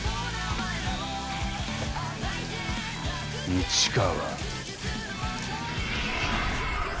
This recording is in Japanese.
市川。